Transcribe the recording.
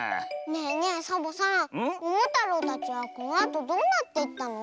ねえねえサボさんももたろうたちはこのあとどうなっていったの？